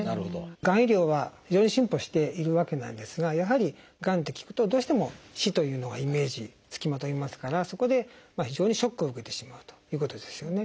がん医療は非常に進歩しているわけなんですがやはりがんって聞くとどうしても死というのがイメージつきまといますからそこで非常にショックを受けてしまうということですよね。